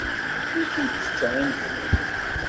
Wukud tečča imekli?